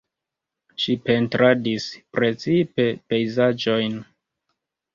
Ŝi pentradis precipe pejzaĝojn.